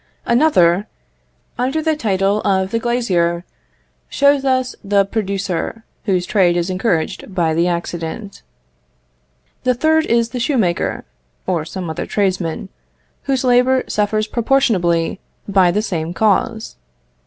Another, under the title of the glazier, shows us the producer, whose trade is encouraged by the accident. The third is the shoemaker (or some other tradesman), whose labour suffers proportionably by the same cause.